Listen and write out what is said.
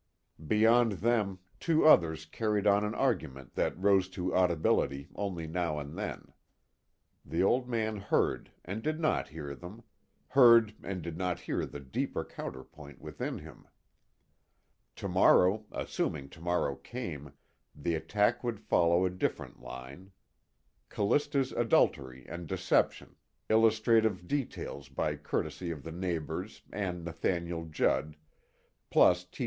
Beyond them two others carried on an argument that rose to audibility only now and then. The Old Man heard and did not hear them; heard and did not hear the deeper counterpoint within him. Tomorrow, assuming tomorrow came, the attack would follow a different line. Callista's adultery and deception, illustrative details by courtesy of the neighbors and Nathaniel Judd, plus T.